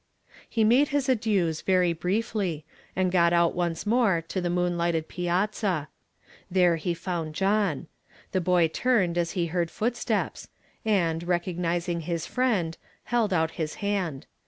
He made his adieus very briefly, and got out once more to the moonlighted piazza. Tliei e he found John. The boy turned as he heard foot steps, and, recognizing his friend, held out his hand.